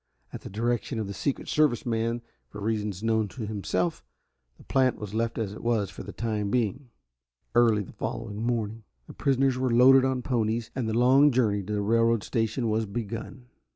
At the direction of the Secret Service man, for reasons known to himself, the plant was left as it was for the time being. Early the following morning the prisoners were loaded on ponies, and the long journey to the railroad station was begun.